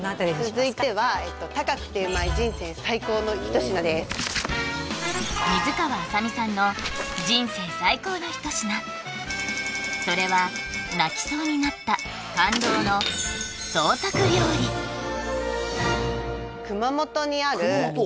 続いては高くてうまい人生最高の一品です水川あさみさんの人生最高の一品それは泣きそうになった感動の熊本にある熊本？